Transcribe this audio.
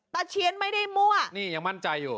เชียนไม่ได้มั่วนี่ยังมั่นใจอยู่